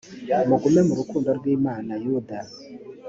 mugume mu rukundo rw’imana yuda